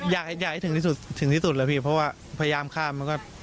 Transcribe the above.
อยากให้ถึงที่สุดเพราะว่าพยายามข้าม